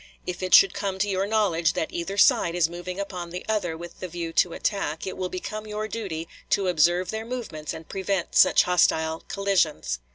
If it should come to your knowledge that either side is moving upon the other with the view to attack, it will become your duty to observe their movements and prevent such hostile collisions."